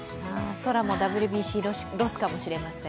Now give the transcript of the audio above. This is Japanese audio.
空もＷＢＣロスかもしれません。